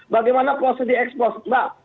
bagaimana proses di ekspos mbak